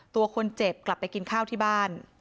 ตัวคนเจ็บกลับไปกินข้าวที่บ้าน